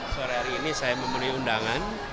sore hari ini saya memenuhi undangan